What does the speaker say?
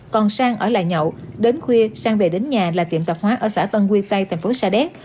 còn sang ở lại nhậu đến khuya sang về đến nhà là tiệm tập hóa ở xã tân quy tây tp sa đéc